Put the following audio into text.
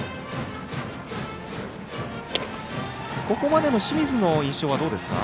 ここまでの清水の印象はどうですか？